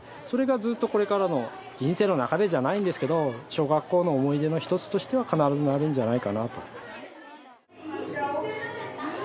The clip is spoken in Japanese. それがずっとこれからの人生の中でじゃないんですけど小学校の思い出の一つとしては必ずなるんじゃないかなと。